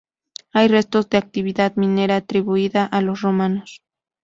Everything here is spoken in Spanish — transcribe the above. Hay resto de actividad minera atribuida a los romanos.